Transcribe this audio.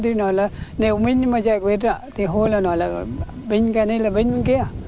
thì nói là nếu mình mà giải quyết thì họ là nói là bên kia này là bên kia